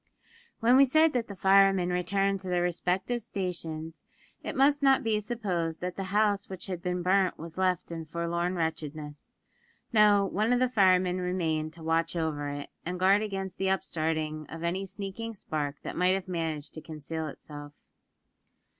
When we said that the firemen returned to their respective stations, it must not be supposed that the house which had been burnt was left in forlorn wretchedness. No; one of the firemen remained to watch over it, and guard against the upstarting of any sneaking spark that might have managed to conceal itself.